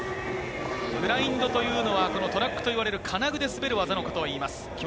グラインドというのはトラックといわれる金具で滑る技のことです。